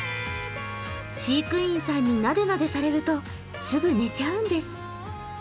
飼育員さんになでなでされるとすぐ寝ちゃうんです。